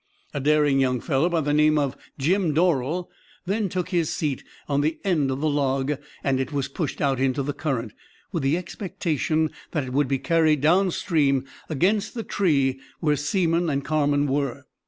A daring young fellow by the name of 'Jim' Dorell then took his seat on the end of the log, and it was pushed out into the current, with the expectation that it would be carried down stream against the tree where Seamon and Carman were.